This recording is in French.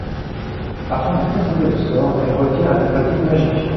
Afin de conjurer le sort, elle recourt à des pratiques magiques.